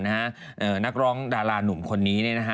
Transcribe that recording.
นักร้องดารานุ่มคนนี้